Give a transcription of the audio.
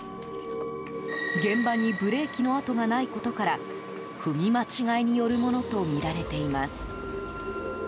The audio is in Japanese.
現場にブレーキの跡がないことから踏み間違いによるものとみられています。